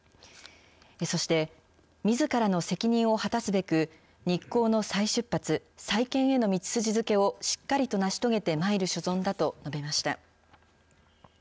そして、みずからの責任を果たすべく、日興の再出発、再建への道筋づけをしっかりと成し遂げてまいる所存だと述べました。